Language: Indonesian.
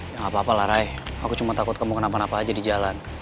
gak apa apa lah rai aku cuma takut kamu kenapa napa aja di jalan